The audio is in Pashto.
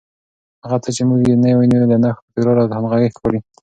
هغه څه چې موږ یې نن وینو، له نښو، تکرار او همغږۍ ښکاري